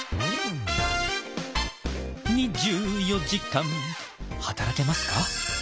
２４時間働けますか？